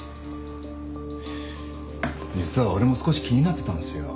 実は俺も少し気になってたんすよ。